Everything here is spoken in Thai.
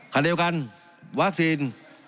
ขณะเดียวกันวัคซีน